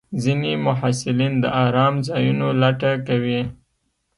ځینې محصلین د ارام ځایونو لټه کوي.